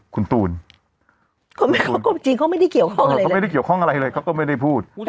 เขาจริงเขาไม่ได้เกี่ยวข้องอะไรก็ไม่ได้พูด